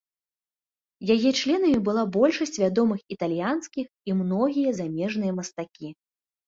Яе членамі была большасць вядомых італьянскіх і многія замежныя мастакі.